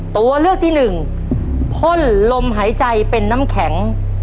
ตัวเลือกที่หนึ่งพ่นลมหายใจเป็นน้ำแข็ง